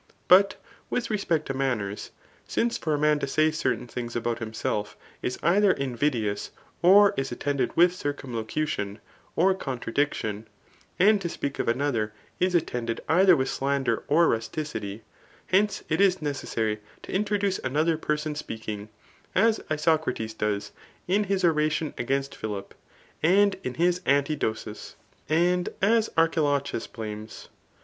But with respect to manners, since' for a man to say certain things about himself, is either invidious, or is at* tended with circumlocution or contradiction ; and to speak of another person is attended either with slander or rusticity ;— Whence, it is necessary to introduce another person speaking, as Isocrates does in his oration against Philip, and in his Antidosis }. and as Archilochus .bh^nes.